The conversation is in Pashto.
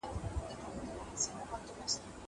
زه پرون قلم استعمالوم کړ!!